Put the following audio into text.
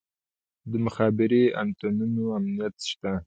د مخابراتي انتنونو امنیت شته؟